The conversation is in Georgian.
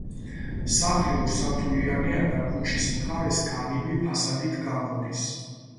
სახლი ორსართულიანია და ქუჩის მხარეს განივი ფასადით გამოდის.